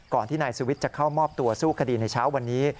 ที่นายสุวิทย์จะเข้ามอบตัวสู้คดีในเช้าวันนี้